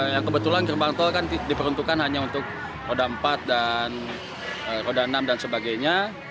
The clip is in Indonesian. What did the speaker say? yang kebetulan gerbang tol kan diperuntukkan hanya untuk roda empat dan roda enam dan sebagainya